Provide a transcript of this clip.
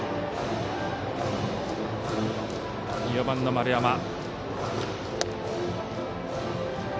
４番の丸山。